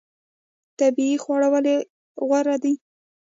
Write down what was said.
طبیعي خواړه ولې غوره دي؟